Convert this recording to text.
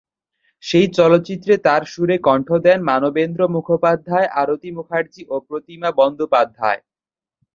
সেই চলচ্চিত্রে তার সুরে কণ্ঠ দেন মানবেন্দ্র মুখোপাধ্যায়, আরতি মুখার্জি ও প্রতিমা বন্দ্যোপাধ্যায়।